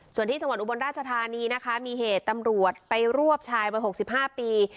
ส่วนที่จังหวัดอุบลราชธานีนะคะมีเหตุตำรวจไปรวบชายวัย๖๕ปี